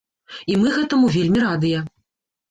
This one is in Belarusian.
І мы гэтаму вельмі радыя!